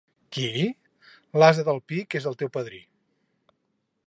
Qui? —L'ase del Pi, que és el teu padrí.